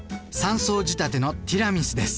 ３層仕立てのティラミスです。